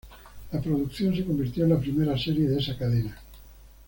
La producción se convirtió en la primera serie de esa cadena.